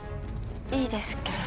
いいですけど